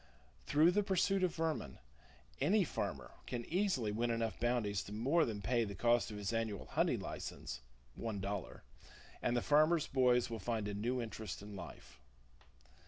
Through the pursuit of vermin, any farmer can easily win enough bounties to more than pay the cost of his annual hunting license (one dollar), and the farmers' boys will find a new interest in life.